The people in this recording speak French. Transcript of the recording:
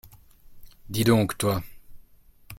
Dis donc, toi.